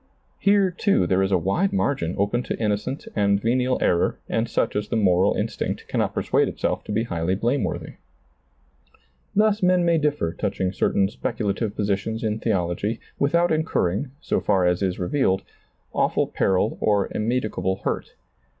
Here, too, there is a wide margin open to innocent and venial error and such as the moral ^lailizccbvGoOgle 136 SEEING DARKLY instinct cannot persuade itself to be highly blame worthy. Thus men may differ touching certain speculative positions in theology without incur ring, so far as is revealed, awful peril or immed icable hurt.